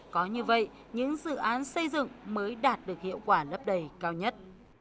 có như vậy những dự án xây dựng mới đạt được hiệu quả lấp đầy cao nhất